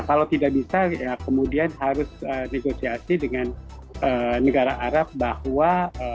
kalau tidak bisa ya kemudian harus negosiasi dengan negara arab bahwa